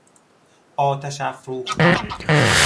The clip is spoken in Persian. آتش افروختن